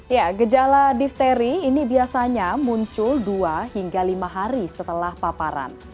ya gejala difteri ini biasanya muncul dua hingga lima hari setelah paparan